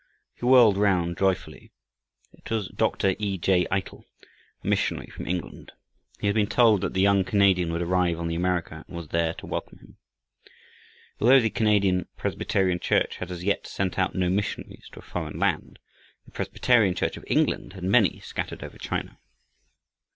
He whirled round joyfully. It was Dr. E. J. Eitel, a missionary from England. He had been told that the young Canadian would arrive on the America and was there to welcome him. Although the Canadian Presbyterian Church had as yet sent out no missionaries to a foreign land, the Presbyterian Church of England had many scattered over China.